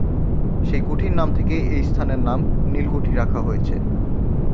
সেই কুঠির নাম থেকেই এই স্থানের নাম নীলকুঠি রাখা হয়েছে।